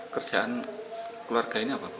kerjaan keluarganya apa bu